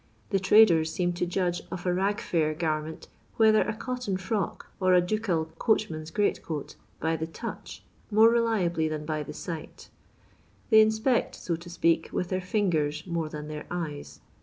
The traders seem to judge of a Bag fair garment, whether a cotton frock or a ducal coachman's great coat, by the touch, more reliably than by the sight ; they in spect, so to speak, with their fingers more than their eyes.